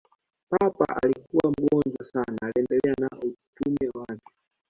Papa akiwa mgonjwa sana aliendelea na utume wake